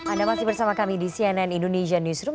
anda masih bersama kami di cnn indonesia newsroom